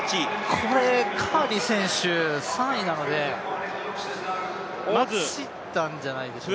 これ、カーリー選手３位なので、落ちたんじゃないでしょうか。